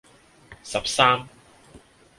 十三